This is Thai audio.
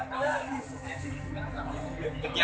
แกเกียรติป่ะ